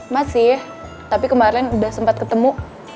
masih tapi kemarin udah sempat ketemu